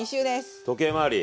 時計回り。